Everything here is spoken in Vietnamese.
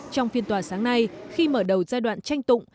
trong phiên tòa sáng nay khi mở đầu giai đoạn tranh tụng